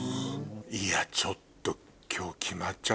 いやちょっと。